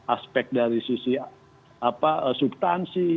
aspek dari sisi subtansi